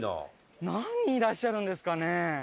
何人いらっしゃるんですかね？